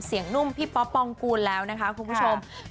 เสียงนุ่มพี่ป๊อบปองกูลแล้วนะคะคู่ชมคือจะบอกเลย